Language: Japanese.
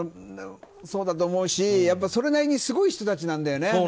そうだと思うし、それなりにすごい人たちなんだよね。